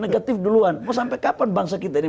negatif duluan mau sampai kapan bangsa kita ini